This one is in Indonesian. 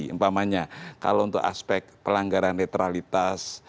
umpamanya kalau untuk aspek pelanggaran netralitas